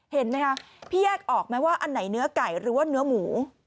เห็นไหมคะพี่แยกออกไหมว่าอันไหนเนื้อไก่หรือว่าเนื้อหมู